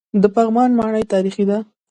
د پغمان ماڼۍ تاریخي ده